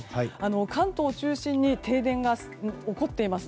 関東を中心に停電が起こっています。